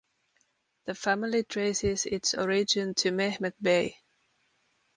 The family traces its origin to Mehmet Bey.